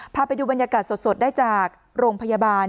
พาไปดูบรรยากาศสดได้จากโรงพยาบาล